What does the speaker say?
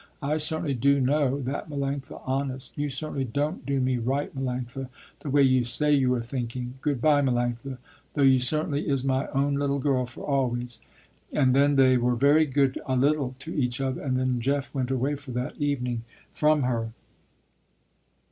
I certainly do know that Melanctha, honest. You certainly don't do me right Melanctha, the way you say you are thinking. Good bye Melanctha, though you certainly is my own little girl for always." And then they were very good a little to each other, and then Jeff went away for that evening, from her.